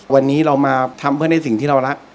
วันนี้เรามาทำเพื่อในสิ่งที่เรารัก